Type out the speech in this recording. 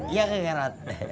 iya kek gerat